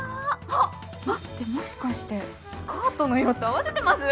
あっ待ってもしかしてスカートの色と合わせてます？